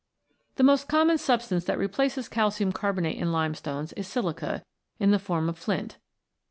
The most common substance that replaces calcium carbonate in limestones is silica, in the form of Flint.